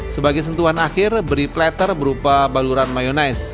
sebagai sentuhan akhir beri plater berupa baluran mayonaise